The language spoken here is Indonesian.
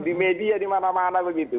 di media di mana mana begitu